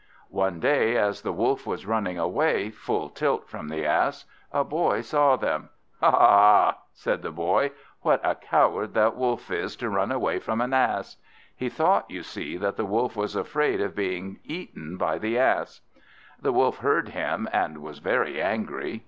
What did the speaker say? One day, as the Wolf was running away full tilt from the Ass, a Boy saw them. "Ha, ha, ha," said the Boy, "what a coward that Wolf is, to run away from an Ass." He thought, you see, that the Wolf was afraid of being eaten by the Ass. The Wolf heard him, and was very angry.